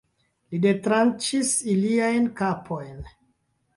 Li detranĉis iliajn kapojn.